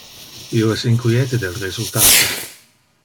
Io es inquiete del resultato.